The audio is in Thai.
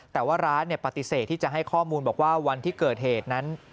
แต่ว่าร้านปฏิเสธที่จะให้ข้อมูลบอกว่าวันที่เกิดเหตุนั้น